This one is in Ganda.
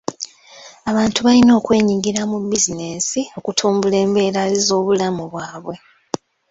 Abantu balina okwenyigira mu bizinensi okutumbula embeera z'obulamu bwabwe.